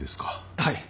はい。